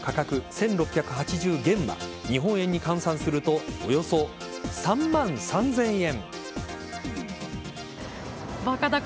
１６８０元は日本円に換算するとおよそ３万３０００円。